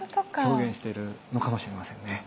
表現しているのかもしれませんね。